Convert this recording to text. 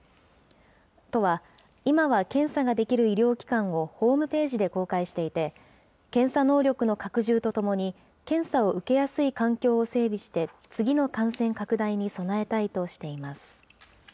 都は、今は検査ができる医療機関をホームページで公開していて、検査能力の拡充とともに、検査を受けやすい環境を整備して、次の感染拡大に備えたいとしています。